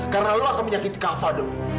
karena lo akan menyakiti kava dong